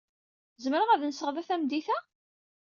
Zemreɣ ad nseɣ da tameddit-a?